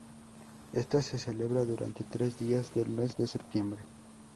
Esta se celebra durante tres días del mes de septiembre.